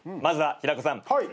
まずは平子さん。